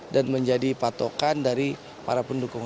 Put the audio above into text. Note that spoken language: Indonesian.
dan menjadi patokan dari para pendukung